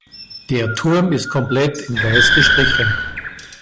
Der Turm ist komplett in Weiß gestrichen.